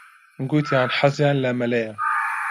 گوتیان حەزیان لە مەلەیە.